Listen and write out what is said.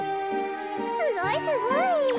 すごいすごい。